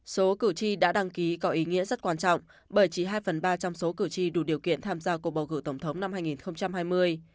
số cử tri đã đăng ký có ý nghĩa rất quan trọng bởi chỉ hai phần ba trong số cử tri đủ điều kiện tham gia cuộc bầu cử tổng thống năm hai nghìn hai mươi